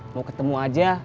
mau ketemu aja